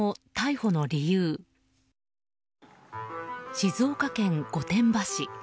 静岡県御殿場市。